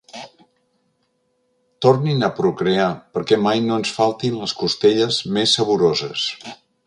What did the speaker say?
Tornin a procrear, perquè mai no ens faltin les costelles més saboroses.